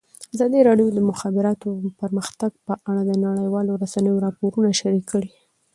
ازادي راډیو د د مخابراتو پرمختګ په اړه د نړیوالو رسنیو راپورونه شریک کړي.